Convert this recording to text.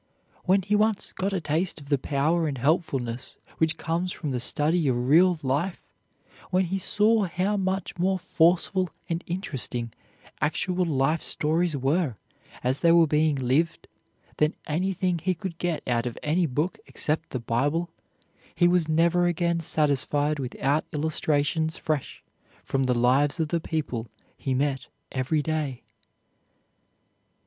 [Illustration: Henry Ward Beecher] When he once got a taste of the power and helpfulness which comes from the study of real life, when he saw how much more forceful and interesting actual life stories were as they were being lived than anything he could get out of any book except the Bible, he was never again satisfied without illustrations fresh from the lives of the people he met every day.